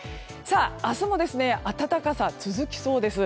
明日も暖かさ続きそうです。